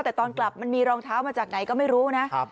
แต่ตอนกลับมันมีรองเท้ามาจากไหนก็ไม่รู้นะ